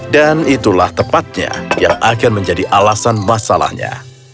dan itulah tepatnya yang akan menjadi alasan masalahnya